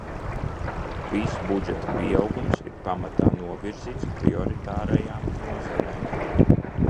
Viss budžeta pieaugums ir pamatā novirzīts prioritārajām nozarēm.